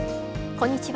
こんにちは。